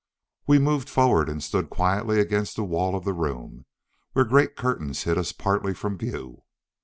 We moved forward and stood quietly against the wall of the room, where great curtains hid us partly from view.